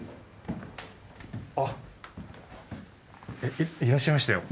あっいらっしゃいましたよ。